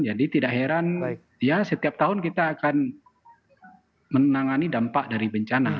jadi tidak heran setiap tahun kita akan menangani dampak dari bencana